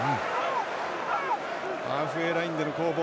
ハーフウェーラインでの攻防。